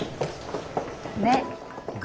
ねっ。